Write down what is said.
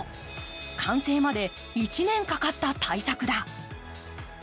完成まで１年かかった大作だ。